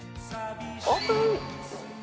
オープン！